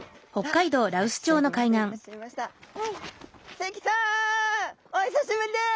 関さんお久しぶりです。